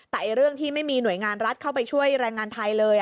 แต่เรื่องที่ไม่มีหน่วยงานรัฐเข้าไปช่วยแรงงานไทยเลย